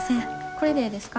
これでええですか？